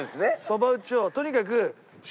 そば打ちをとにかく。